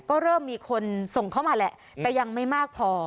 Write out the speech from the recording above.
ก็เริ่มมีคนส่งเข้ามาแหละแต่ยังไม่มากพอ